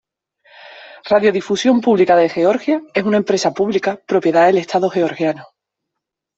Radiodifusión Pública de Georgia es una empresa pública, propiedad del estado georgiano.